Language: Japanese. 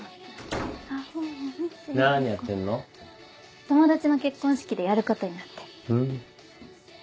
おう友達の結婚式でやることになってふん